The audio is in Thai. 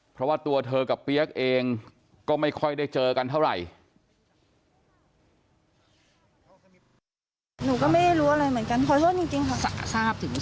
เพราะว่าตัวเธอกับเปี๊ยกเองก็ไม่ค่อยได้เจอกันเท่าไหร่